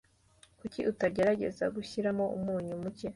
Kuki utagerageza gushyiramo umunyu muke